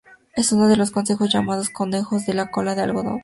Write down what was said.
Es uno de los conejos llamados 'conejos cola de algodón'.